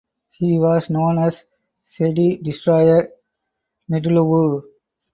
He was known as "Cde Destroyer Ndlovu".